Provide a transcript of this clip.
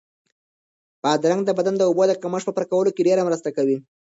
بادرنګ د بدن د اوبو د کمښت په پوره کولو کې ډېره مرسته کوي.